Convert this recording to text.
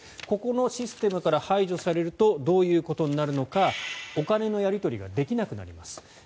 ここのシステムから排除されるとどういうことになるのかお金のやり取りができなくなります。